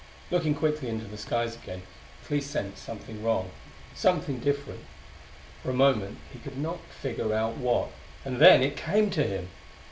Looking quickly into the skies again, Clee sensed something wrong; something different. For a moment he could not figure out what and then it came to him.